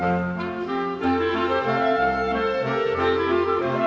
สวัสดีครับสวัสดีครับ